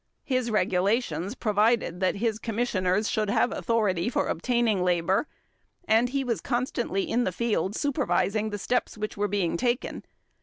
His regulations provided that his commissioners should have authority for obtaining labor, and he was constantly in the field supervising the steps which were being taken.